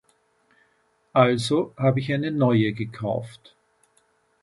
Also habe ich eine neue gekauft.